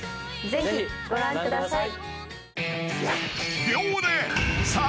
ぜひご覧ください。